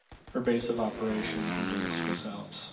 Her base of operations is in the Swiss Alps.